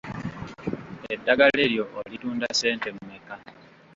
Eddagala eryo olitunda ssente mmeka?